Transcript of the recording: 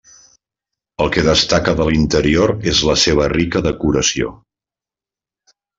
El que destaca de l'interior és la seva rica decoració.